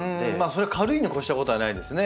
それは軽いに越したことはないですね